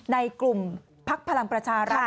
ในกลุ่มพักพลังประชารัฐ